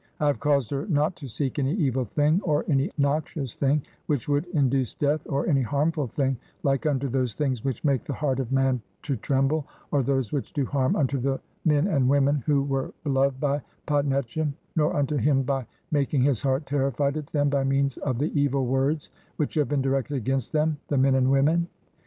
I have caused her not "to seek any evil thing, or any noxious thing which "would induce death, or any harmful thing like unto "those things which make the heart of man to tremble, "or those which do harm unto the men and women "who were beloved by Pa netchem, nor unto him by "making his heart terrified at them by means of the "evil words which have been directed against them "(the men and women).